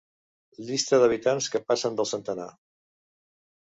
Llista d'habitants que passen del centenar.